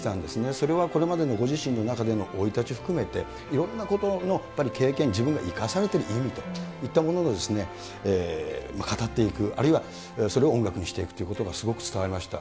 それはこれまでのご自身の中での生い立ち含めて、いろんなことのやっぱり経験、自分が生かされている意味と、いったものの語っていく、あるいはそれを音楽にしていくということがすごく伝わりました。